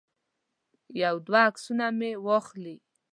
یو دوه عکسونه مې واخلي.